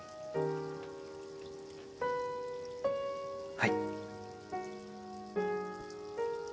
はい。